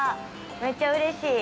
めっちゃうれしい。